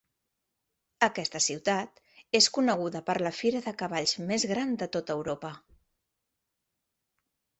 Aquesta ciutat és coneguda per la fira de cavalls més gran de tota Europa.